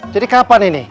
jadi kapan ini